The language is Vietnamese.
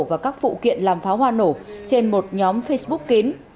và các phụ kiện làm pháo hoa nổ trên một nhóm facebook kín